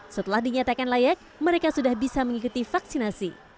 setelah dinyatakan layak mereka sudah bisa mengikuti vaksinasi